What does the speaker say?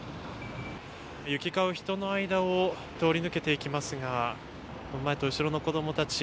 行き交う人の間を通り抜けていきますが前と後ろの子どもたち